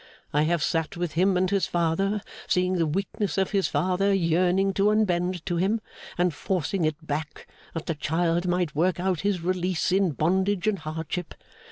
I have sat with him and his father, seeing the weakness of his father yearning to unbend to him; and forcing it back, that the child might work out his release in bondage and hardship.